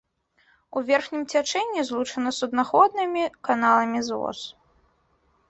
У верхнім цячэнні злучана суднаходнымі каналамі з воз.